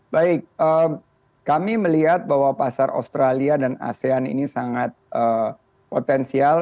baik kami melihat bahwa pasar australia dan asean ini sangat potensial